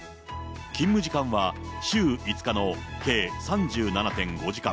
勤務時間は週５日の計３７．５時間。